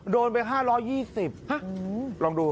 โดนไป๕๒๐ลองดู